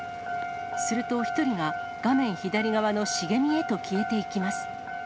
すると１人が、画面左側の茂みへと消えていきます。